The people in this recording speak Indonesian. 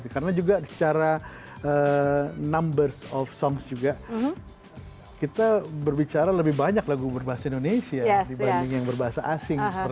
karena juga secara number of songs juga kita berbicara lebih banyak lagu berbahasa indonesia dibanding yang berbahasa asing